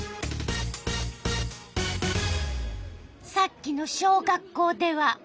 さっきの小学校では。